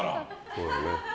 そうだね。